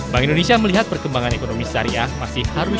bank indonesia melihat perkembangan ekonomi syariah di negara negara lain